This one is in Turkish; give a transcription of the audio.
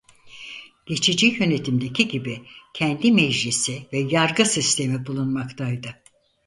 Geçici yönetimdeki gibi kendi meclisi ve yargı sistemi bulunmaktaydı.